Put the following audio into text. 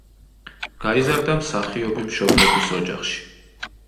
გაიზარდა მსახიობი მშობლების ოჯახში.